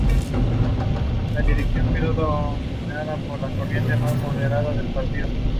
Con motivo del Bicentenario del Proceso de Emancipación Oriental se remodeló, gracias a donaciones.